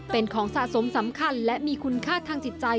เป็นของสะสมสำคัญและมีคุณค่าทางจิตใจ